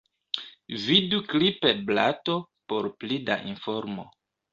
Vidu "Clipper"-blato por pli da informo.